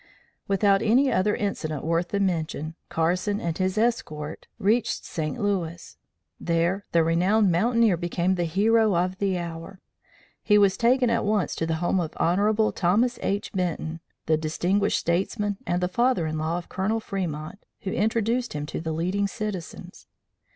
Without any other incident worth the mention, Carson and his escort reached St. Louis. There the renowned mountaineer became the hero of the hour. He was taken at once to the home of Hon. Thomas H. Benton, the distinguished statesman and the father in law of Colonel Fremont, who introduced him to the leading Citizens.